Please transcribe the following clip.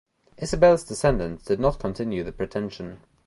Isabel's descendants did not continue the pretension.